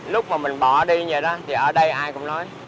lúc mà mình bỏ đi vậy đó thì ở đây ai cũng nói